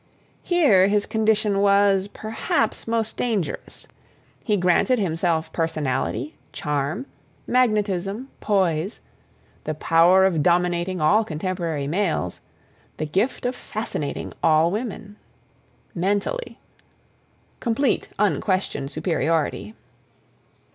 —Here his condition was, perhaps, most dangerous. He granted himself personality, charm, magnetism, poise, the power of dominating all contemporary males, the gift of fascinating all women. Mentally.—Complete, unquestioned superiority.